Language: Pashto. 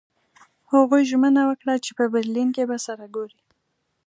هغوی ژمنه وکړه چې په برلین کې به سره ګوري